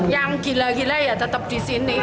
yang gila gila ya tetap di sini